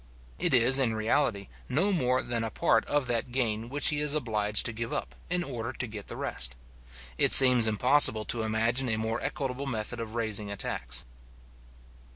It is, in reality, no more than a part of that gain which he is obliged to give up, in order to get the rest. It seems impossible to imagine a more equitable method of raising a tax.